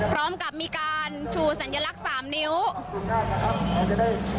พร้อมกับมีการชูสัญลักษณ์สามนิ้วคุณได้นะครับ